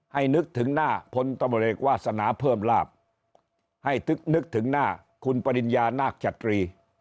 นึกถึงหน้าพลตำรวจเอกวาสนาเพิ่มลาบให้นึกถึงหน้าคุณปริญญานาคชัตรี